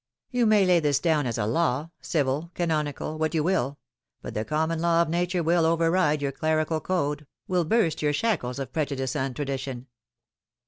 You may lay this down as a law civil canonical what you will but the common law of nature will override your clerical code, will burst your shackles of prejudice and tradition.